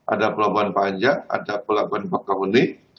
ada pelabuhan panjang ada pelabuhan bakauni